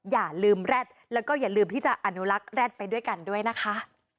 อย่าลืมแร็ดแล้วก็อย่าลืมที่จะอนุรักษ์แร็ดไปด้วยกันด้วยนะคะ